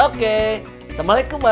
oke assalamualaikum ma